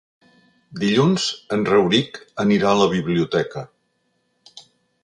Dilluns en Rauric anirà a la biblioteca.